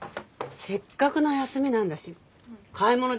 せっかくの休みなんだし買い物でも行く？